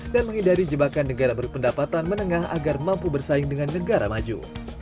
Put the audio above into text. dan menghindari jebakan negara berpendapatan menengah agar mampu bersaing dengan negara maju